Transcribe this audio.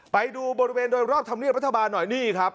ไปดูบริเวณโดยรอบธรรมเนียบรัฐบาลหน่อยนี่ครับ